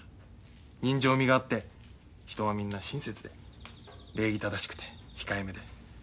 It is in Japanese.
人情味があって人はみんな親切で礼儀正しくて控えめで。